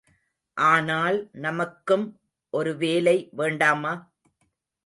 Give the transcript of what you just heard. ஆனால் நமக்கும் ஒரு வேலை வேண்டாமா?